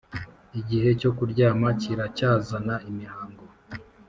igihe cyo kuryama kiracyazana imihango.